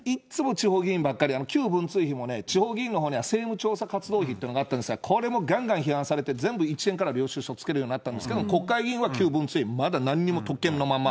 いつも地方議員ばかり、旧文通費もね、地方議員のほうには政務調査活動費というのがあったんですが、これもがんがん批判されて、全部１円から領収書つけるようになったんですけど、国会議員は旧文通費、まだなんにも特権のまんま。